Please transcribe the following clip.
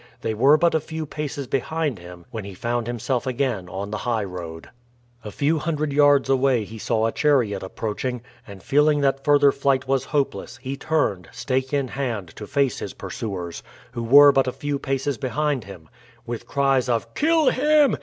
They were but a few paces behind him when he found himself again on the highroad. A few hundred yards away he saw a chariot approaching, and feeling that further flight was hopeless he turned, stake in hand, to face his pursuers, who were but a few paces behind him. With cries of "Kill him!"